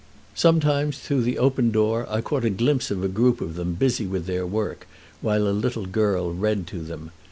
Sometimes through the open door I caught a glimpse of a group of them busy with their work, while a little girl read to them.